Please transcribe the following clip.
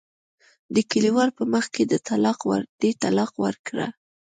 د کلیوالو په مخ کې دې طلاق ورکړه.